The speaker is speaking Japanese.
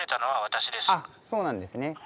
あそうなんですね。